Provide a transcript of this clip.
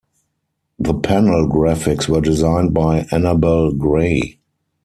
The panel graphics were designed by Annabel Grey.